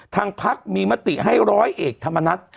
ทางพรรคมีมติให้๑๐๐เอกธรรมนัฐ